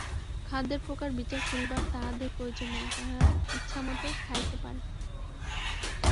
খাদ্যের প্রকার বিচার করিবার তাহাদের প্রয়োজন নাই, তাহারা ইচ্ছামত খাইতে পারে।